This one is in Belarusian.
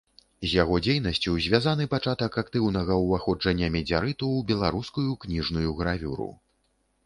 З яго дзейнасцю звязаны пачатак актыўнага ўваходжання медзярыту ў беларускую кніжную гравюру.